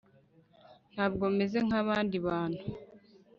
ntabwo meze nkabandi bantu